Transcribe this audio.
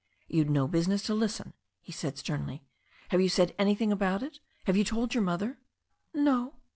"You'd no business to listen," he said sternly. "Have you said anything about it? Have you told your mother?" 'No."